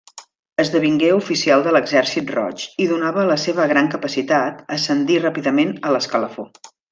Esdevingué oficial de l'Exèrcit Roig i, donada la seva gran capacitat, ascendí ràpidament a l'escalafó.